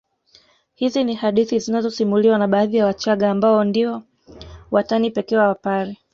Hizi ni hadithi zinazosimuliwa na baadhi ya Wachaga ambao ndio watani pekee wa Wapare